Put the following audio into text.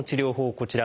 こちら。